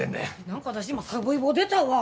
何か私今さぶいぼ出たわ。